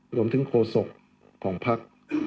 รวมถึงโฆษกของพรรค